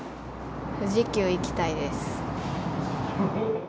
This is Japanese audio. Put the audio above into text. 富士急行きたいです。